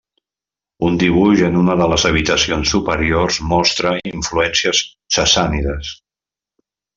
Un dibuix en una de les habitacions superiors mostra influències sassànides.